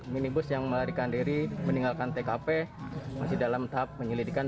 minibus yang melarikan diri meninggalkan tkp masih dalam tahap penyelidikan